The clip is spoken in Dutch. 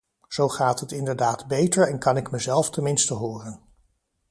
Zo gaat het inderdaad beter en kan ik mezelf tenminste horen.